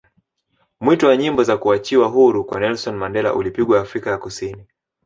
mwito wa nyimbo za kuachiwa huru kwa Nelson Mandela ulipigwa Afrika ya kusini